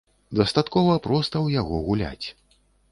Дастаткова проста ў яго гуляць.